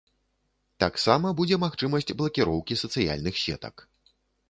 Таксама будзе магчымасць блакіроўкі сацыяльных сетак.